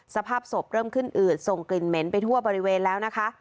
สภาพศพเริ่มขึ้นอืดส่งกลิ่นเหม็นไปทั่วบริเวณแล้วนะคะ